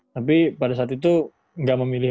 tapi pada saat itu nggak memilih